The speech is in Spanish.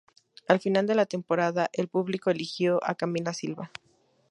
Al final de la temporada, el público eligió a Camila Silva.